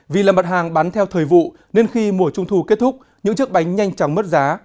vì làm bật hàng bán theo thời vụ nên khi mùa trung thu kết thúc những chiếc bánh nhanh chóng mất giá